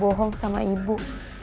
aku udah bohong sama ibu